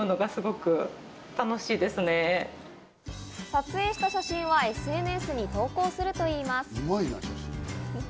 撮影した写真はＳＮＳに投稿するといいます。